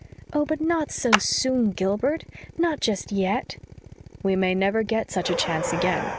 "Oh, but not so soon, Gilbert not just yet." "We may never get such a chance again.